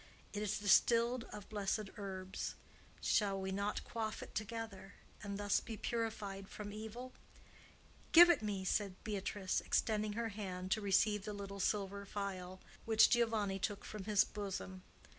It is distilled of blessed herbs. Shall we not quaff it together, and thus be purified from evil?" "Give it me!" said Beatrice, extending her hand to receive the little silver vial which Giovanni took from his bosom.